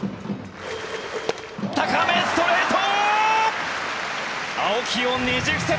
高め、ストレート！